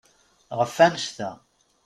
Ɣef wannect-a.